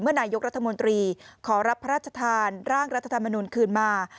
นายกรัฐมนตรีขอรับพระราชทานร่างรัฐธรรมนุนคืนมา